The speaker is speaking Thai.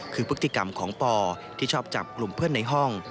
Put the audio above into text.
คือพฤติกรรมของปอที่ชอบจับกลุ่มเพื่อนในห้อง